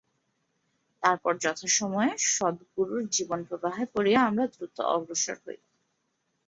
তারপর যথাসময়ে সদগুরুর জীবন-প্রবাহে পড়িয়া আমরা দ্রুত অগ্রসর হই।